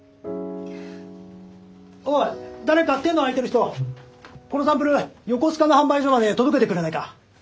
おい誰か手の空いてる人このサンプル横須賀の販売所まで届けてくれないか？